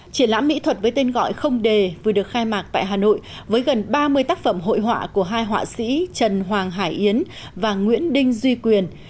triển lãm mỹ thuật với tên gọi không đề vừa được khai mạc tại hà nội với gần ba mươi tác phẩm hội họa của hai họa sĩ trần hoàng hải yến và nguyễn đinh duy quyền